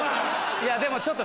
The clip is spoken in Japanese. いやでもちょっと。